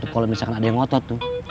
kalau misalkan ada yang ngotot tuh